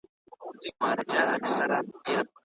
د مسلکي ښوونکو د جلبولو لپاره کومې هڅې روانې دي؟